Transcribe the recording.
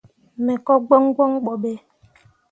Me ko gboŋ gboŋ ɓo ɓe.